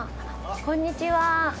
こんにちは。